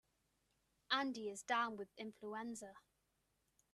Andy is down with influenza.